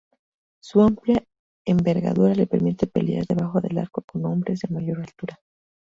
Su amplía envergadura le permite pelear debajo del aro con hombres de mayor altura.